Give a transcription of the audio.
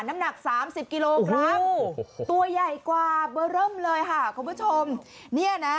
น้ำหนัก๓๐กิโลครับทุกอย่ายกว่าเบอร์เริ่มเลยฮะคุณผู้ชมนี้นะ